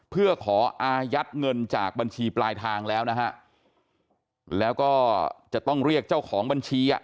เพื่อขออายัดเงินจากบัญชีปลายทางแล้วนะฮะแล้วก็จะต้องเรียกเจ้าของบัญชีอ่ะ